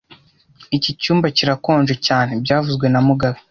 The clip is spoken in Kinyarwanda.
Iki cyumba kirakonje cyane byavuzwe na mugabe